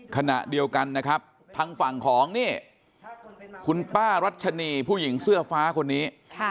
ขณะเดียวกันนะครับทางฝั่งของนี่คุณป้ารัชนีผู้หญิงเสื้อฟ้าคนนี้